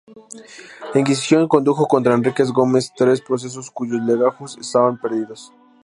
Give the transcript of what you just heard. La Inquisición condujo contra Enriquez Gómez tres procesos cuyos legajos están perdidos.